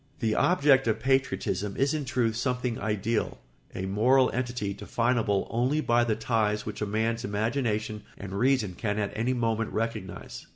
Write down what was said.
] The object of patriotism is in truth something ideal, a moral entity definable only by the ties which a man's imagination and reason can at any moment recognise.